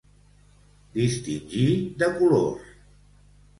Distingir de colors.